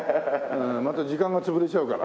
また時間が潰れちゃうから。